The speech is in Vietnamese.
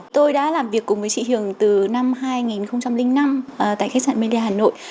tôi đã làm việc cùng với chị hường từ năm hai nghìn năm tại khách sạn medde hà nội